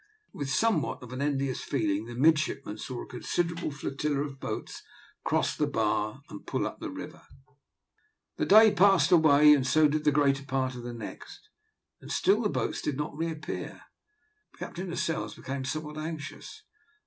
With somewhat of an envious feeling the midshipmen saw a considerable flotilla of boats cross the bar and pull up the river. The day passed away, and so did the greater part of the next, and still the boats did not reappear. Captain Lascelles became somewhat anxious.